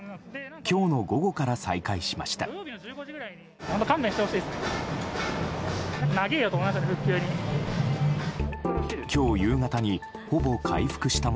今日の午後から再開しました。